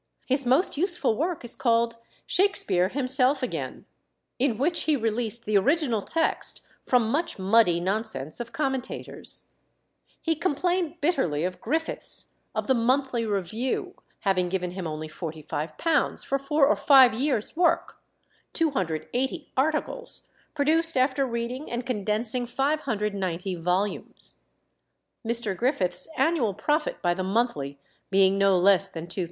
His most useful work is called Shakspere Himself Again, in which he released the original text from much muddy nonsense of commentators. He complained bitterly of Griffiths, of the Monthly Review, having given him only £45 for four or five years' work 280 articles, produced after reading and condensing 590 volumes; Mr. Griffiths' annual profit by the Monthly being no less than £2000.